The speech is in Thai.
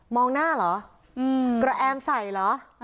หน้าเหรอกระแอมใส่เหรอ